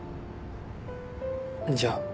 じゃあ。